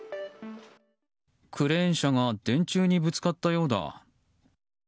クレーン車が電柱にぶつかったようだ。